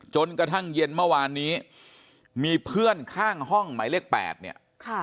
จนกระทั่งเย็นเมื่อวานนี้มีเพื่อนข้างห้องหมายเลข๘เนี่ยค่ะ